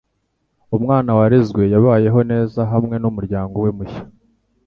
Umwana warezwe yabayeho neza hamwe numuryango we mushya